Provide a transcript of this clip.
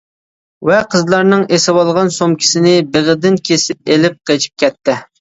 ۋە قىزلارنىڭ ئېسىۋالغان سومكىسىنى بېغىدىن كېسىپ ئېلىپ قېچىپ كېتەتتى.